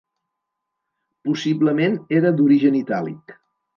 Possiblement era d'origen itàlic.